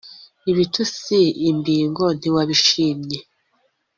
ibitusi, imbingo ntiwabishimye